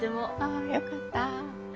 あよかった。